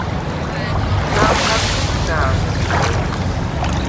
ჟანჴა̈დხ ხოშა̄̈ლ.